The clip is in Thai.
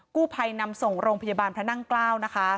กู้ภัยนำส่งโรงพยาบาลพระนั่งเกล้านะคะ